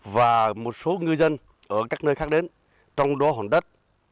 và một số ngư dân ở các nơi khác đến trong đó hòn đất